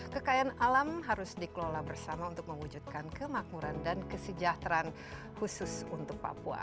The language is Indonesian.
kekayaan alam harus dikelola bersama untuk mewujudkan kemakmuran dan kesejahteraan khusus untuk papua